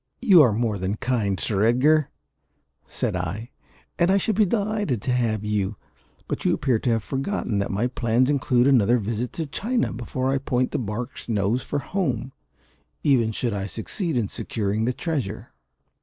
"You are more than kind, Sir Edgar," said I, "and I should be delighted to have you; but you appear to have forgotten that my plans include another visit to China before I point the barque's nose for home, even should I succeed in securing the treasure."